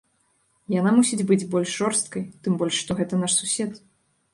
Яна мусіць быць больш жорсткай, тым больш што гэта наш сусед.